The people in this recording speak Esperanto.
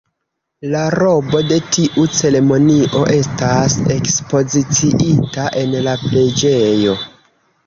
La robo de tiu ceremonio estas ekspoziciita en la preĝejo.